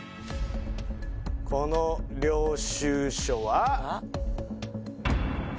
この領収書は。